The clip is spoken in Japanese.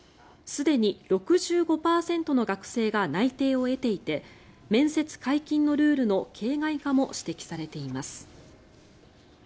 すでに６５％の学生が内定を得ていて面接解禁のルールの形骸化も指摘されています。